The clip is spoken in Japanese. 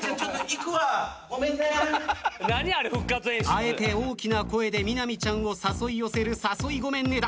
あえて大きな声でみなみちゃんを誘い寄せる「誘いごめんね」だ。